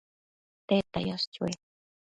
tedta yash chue?